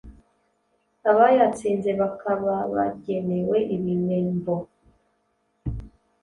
abayatsinze bakababagenewe ibimembo